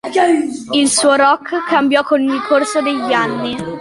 Il suo rock cambiò con il corso degli anni.